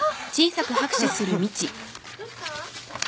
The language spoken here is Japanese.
どうした？